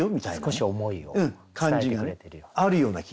少し思いを伝えてくれてるような。